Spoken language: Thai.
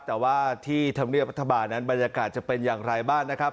แต่ว่าที่ธรรมเนียบรัฐบาลนั้นบรรยากาศจะเป็นอย่างไรบ้างนะครับ